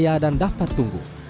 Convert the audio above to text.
dan mencari pendaftar tunggu